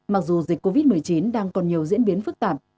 mặc dù dịch covid một mươi chín đang còn nhiều diễn biến phức tạp